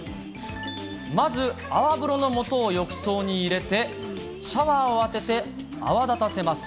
まず、泡風呂のもとを浴槽に入れて、シャワーを当てて泡立たせます。